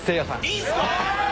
いいんすか？